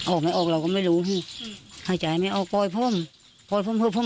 ออกไม่ออกเราก็ไม่รู้ครับห้ายใจไม่ออกปล่อยพ่ม